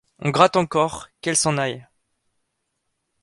On gratte encore : Qu'elle s'en aille !